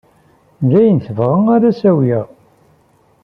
D ayen tebɣa ara s-awiɣ.